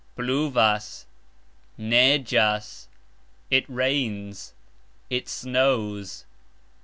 Pluvas; negxas. It rains; it snows.